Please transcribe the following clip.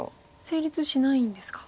成立しないんですか。